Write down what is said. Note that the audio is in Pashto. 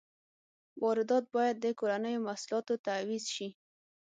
واردات باید په کورنیو محصولاتو تعویض شي.